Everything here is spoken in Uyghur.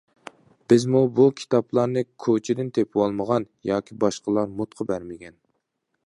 بىزمۇ بۇ كىتابلارنى كوچىدىن تېپىۋالمىغان ياكى باشقىلار مۇتقا بەرمىگەن.